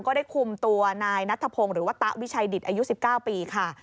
ก็ได้คุมตัวนายนัทพงศ์หรือว่าตะวิชัยดิตอายุ๑๙ปีค่ะ